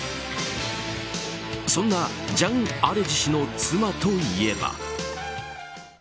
そんなジャン・アレジ氏の妻といえば。